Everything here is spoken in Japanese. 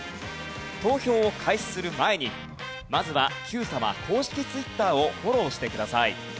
投票を開始する前にまずは『Ｑさま！！』公式ツイッターをフォローしてください。